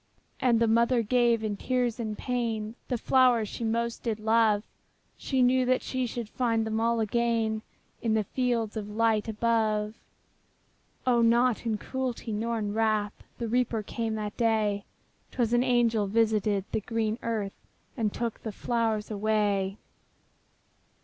'' And the mother gave, in tears and pain, The flowers she most did love; She knew she should find them all again In the fields of light above. O, not in cruelty, not in wrath, The Reaper came that day; 'Twas an angel visited the green earth, And took the flowers away.